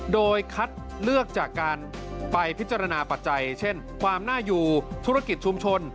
โดยคัดเลือกจากการไปพิจารณาปัจจัยเช่นความน่าอยู่ธุรกิจชุมชน